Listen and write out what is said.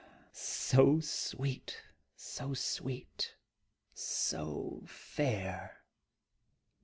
so sweet! so sweet! so fair!"